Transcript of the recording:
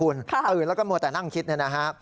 เกิดขึ้นแล้วก็หมดแต่นั่งคิดเนี่ยนะฮะ